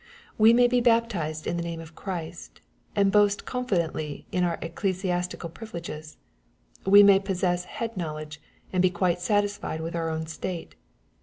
We may be baptized in the name of Christ, and boast con fidently of our ecclesiastical privileges. We may possess nead knowledge, and be quite satisfied with our own state.